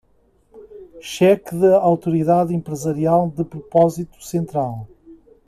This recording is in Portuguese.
Cheque de autoridade empresarial de propósito central